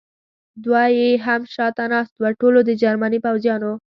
دوه یې هم شاته ناست و، ټولو د جرمني پوځیانو.